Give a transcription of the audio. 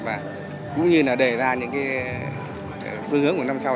và cũng như là đề ra những phương hướng của năm sau